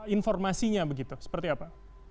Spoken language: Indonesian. informasinya begitu seperti apa